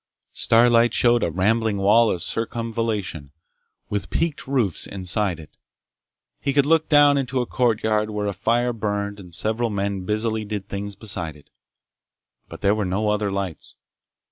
Starlight showed a rambling wall of circumvallation, with peaked roofs inside it. He could look down into a courtyard where a fire burned and several men busily did things beside it. But there were no other lights.